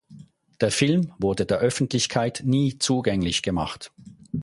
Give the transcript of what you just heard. Der Film wurde der Öffentlichkeit nie zugänglich gemacht.